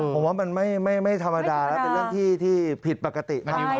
ผมว่ามันไม่ธรรมดาแล้วเป็นเรื่องที่ผิดปกติมาก